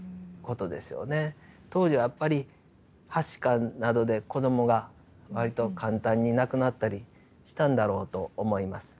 当時やっぱりはしかなどで子供が割と簡単に亡くなったりしたんだろうと思います。